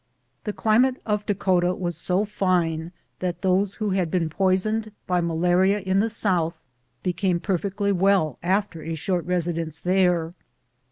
The climate of Dakota was so fine that those who had been poisoned bj malaria in the South became per fectly well after a short residence there.